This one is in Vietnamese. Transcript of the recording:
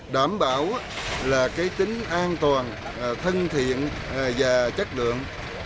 đảm bảo tính an toàn thân thiện và chất lượng